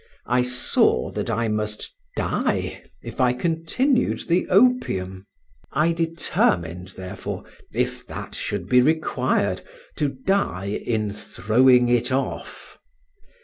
I saw that I must die if I continued the opium. I determined, therefore, if that should be required, to die in throwing it off.